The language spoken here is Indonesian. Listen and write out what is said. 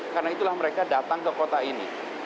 karena itulah mereka datang ke kota ini